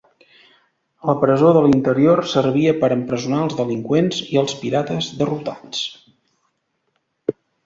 La presó de l'interior servia per empresonar als delinqüents i als pirates derrotats.